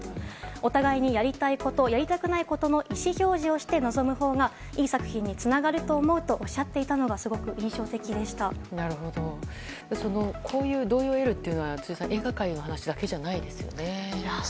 お互いにやりたいことやりたくないことの意思表示をして、臨むほうがいい作品につながると思うとおっしゃっていたのがこういう同意を得るというのは辻さん、映画界だけの話じゃないですよね。